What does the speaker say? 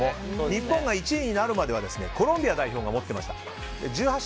日本が１位になるまではコロンビア代表が持っていました。